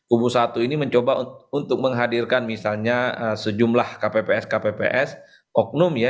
kubu satu ini mencoba untuk menghadirkan misalnya sejumlah kpps kpps oknum ya